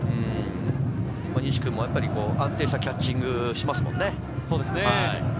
西君も安定したキャッチングをしますもんね。